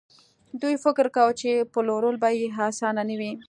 دوی فکر کاوه چې پلورل به يې اسانه نه وي.